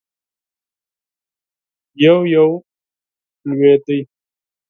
يو- يو لوېده.